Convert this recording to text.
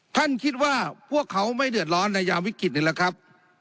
ท่านคิดว่าพวกเขาไม่เดือดร้อนในยามวิกฤตนี่แหละครับ